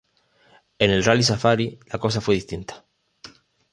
En el Rally Safari la cosa fue distinta.